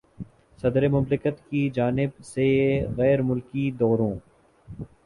صدر مملکت کی جانب سے غیر ملکی دوروں